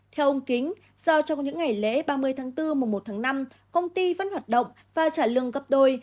theo ông kính do trong những ngày lễ ba mươi tháng bốn mùa một tháng năm công ty vẫn hoạt động và trả lương gấp đôi